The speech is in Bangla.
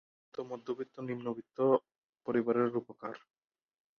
তিনি প্রধানত মধ্যবিত্ত নিম্নবিত্ত পরিবারের রূপকার।